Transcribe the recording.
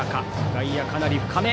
外野、かなり深め。